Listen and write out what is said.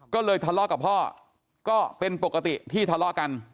ก็เลยทะเลาะกับพ่อก็เป็นปกติที่ทะเลาะกัน